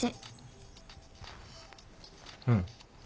うん。